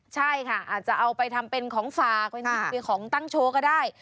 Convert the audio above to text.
ใช่ค่ะอาจจะเอาไปทำเป็นของฝากเป็นของตั้งโชว์ก็ได้